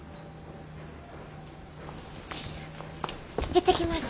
行ってきます。